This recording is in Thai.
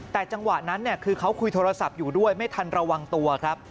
แต่จังหวะนั้นคือเขาคุยโทรศัพท์อยู่ด้วยไม่ทันระวังตัวครับ